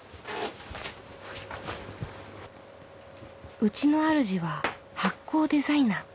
うちのあるじは発酵デザイナー。